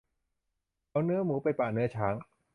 เอาเนื้อหนูไปปะเนื้อช้าง